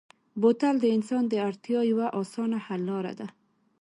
بوتل د انسان د اړتیا یوه اسانه حل لاره ده.